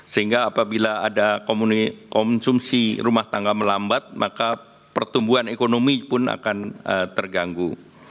sehingga apabila ada konsumsi rumah tangga melambat maka pertumbuhan ekonomi pun akan terganggu